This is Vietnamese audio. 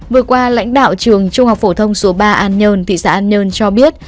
vừa qua lãnh đạo trường trung học phổ thông số ba an nhơn thị xã an nhơn cho biết